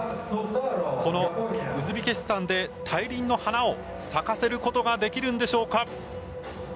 このウズベキスタンで大輪の花を咲かせることができるんでしょうか。